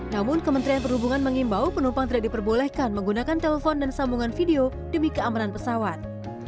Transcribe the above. namun kementerian perhubungan mengimbau penumpang tidak diperbolehkan menggunakan telepon dan sambungan video demi keamanan pesawat